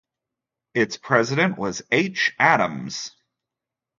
Its president was H. Adams.